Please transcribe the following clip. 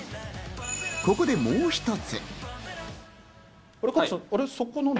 ここで、もう一つ。